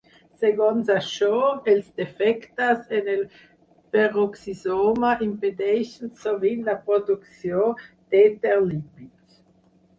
Segons això els defectes en el peroxisoma impedeixen sovint la producció d'èter lípids.